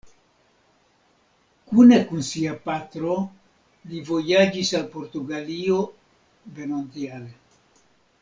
Kune kun sia patro, li vojaĝis al Portugalio venontjare.